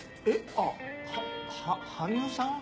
あっは羽生さん？